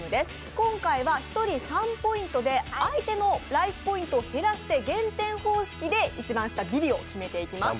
今回は１人３ポイントで相手のライフポイントを減らして減点方式で一番下、ギリを決めていきます。